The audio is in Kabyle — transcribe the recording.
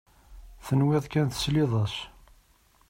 Tenwiḍ kan tesliḍ-as.